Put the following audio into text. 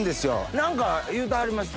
何か言うてはりました？